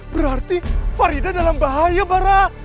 berarti farida dalam bahaya bara